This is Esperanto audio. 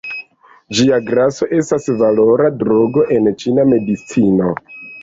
Ĝia graso estas valora drogo en ĉina medicino.